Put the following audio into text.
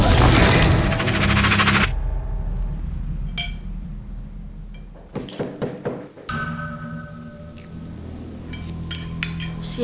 aduh aduh aduh aduh aduh